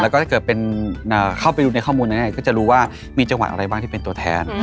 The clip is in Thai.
แล้วก็ถ้าเกิดเป็นเข้าไปดูในข้อมูลแน่ก็จะรู้ว่ามีจังหวะอะไรบ้างที่เป็นตัวแทน